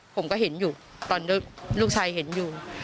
ผมก็เห็นอยู่ตอนลูกชายเห็นอยู่